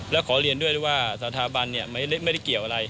แล้วขอเรียนด้วยว่าสถาบันไม่ได้เกี่ยวอะไร